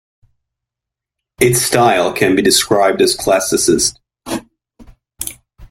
Its style can be described as Classicist.